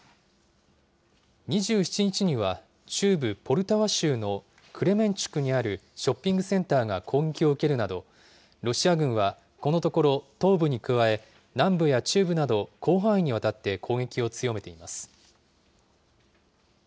２７日には、中部ポルタワ州のクレメンチュクにあるショッピングセンターが攻撃を受けるなど、ロシア軍はこのところ東部に加え、南部や中部など、広範囲にわたって攻撃を強めています。